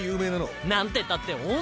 なんてったって温泉！